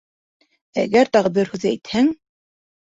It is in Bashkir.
Әгәр тағы бер һүҙ әйтһәң...